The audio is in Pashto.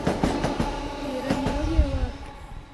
څېره نېولې وه.